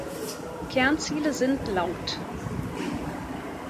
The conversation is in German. Kernziele sind lt.